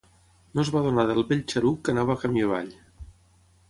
No es va adonar del vell xaruc que anava camí avall